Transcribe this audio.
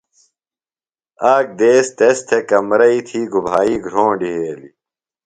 آک دیس تس تھےۡ کمرئی تھی گُبھائی گھرونڈ یھیلیۡ۔